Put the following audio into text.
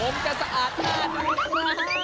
มันจะสะอาดหน้าเราครับ